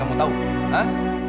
umur malam ini